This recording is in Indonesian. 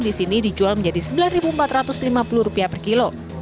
di sini dijual menjadi rp sembilan empat ratus lima puluh per kilo